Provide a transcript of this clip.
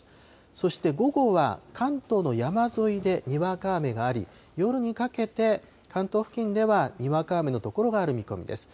そして午後は関東の山沿いでにわか雨があり、夜にかけて、関東付近ではにわか雨の所がある見込みです。